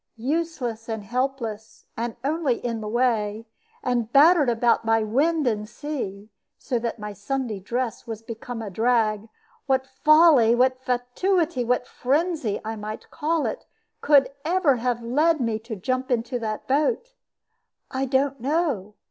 Useless and helpless, and only in the way, and battered about by wind and sea, so that my Sunday dress was become a drag, what folly, what fatuity, what frenzy, I might call it, could ever have led me to jump into that boat? "I don't know.